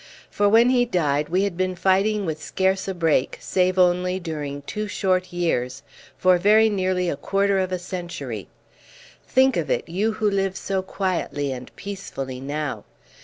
For when he died we had been fighting with scarce a break, save only during two short years, for very nearly a quarter of a century. Think of it, you who live so quietly and peacefully now!